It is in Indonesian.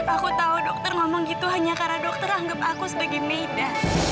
aku tahu dokter ngomong gitu hanya karena dokter anggap aku sebagai media